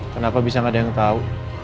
kenapa bisa gak ada yang tau